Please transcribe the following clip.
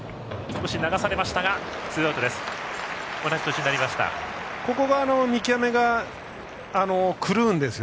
少し流されましたがツーアウトです。